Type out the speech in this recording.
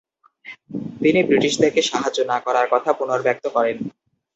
তিনি ব্রিটিশদেরকে সাহায্য না করার কথা পুনর্ব্যক্ত করেন।